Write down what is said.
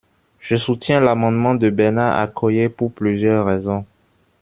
Je soutiens l’amendement de Bernard Accoyer, pour plusieurs raisons.